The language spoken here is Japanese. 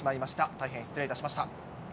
大変失礼いたしました。